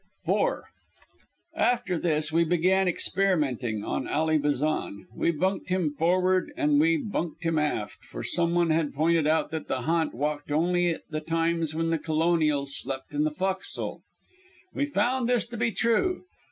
IV After this we began experimenting on Ally Bazan. We bunked him forward and we bunked him aft, for some one had pointed out that the "ha'nt" walked only at the times when the colonial slept in the fo'c's'le. We found this to be true.